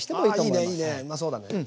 うまそうだね。